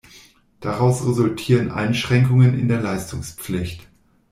Daraus resultieren Einschränkungen in der Leistungspflicht.